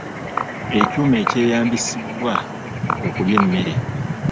Ekyuma ekyeyambisibwa okulya emmere.